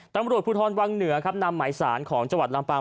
ตำรวจภูทรวังเหนือครับนำหมายสารของจังหวัดลำปาง